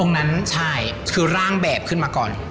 นั้นใช่คือร่างแบบขึ้นมาก่อน